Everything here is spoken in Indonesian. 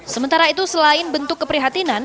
sementara itu selain bentuk keprihatinan